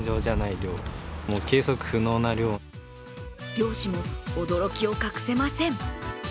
漁師も驚きを隠せません。